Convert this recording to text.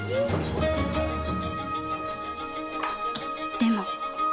でも。